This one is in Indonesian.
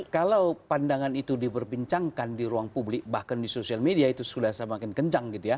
kalau pandangan itu diperbincangkan di ruang publik bahkan di sosial media itu sudah semakin kencang gitu ya